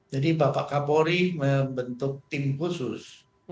jadi bapak kapolri membentuk tim khusus